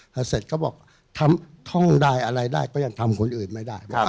พอเสร็จก็บอกทำท่องได้อะไรได้ก็ยังทำคนอื่นไม่ได้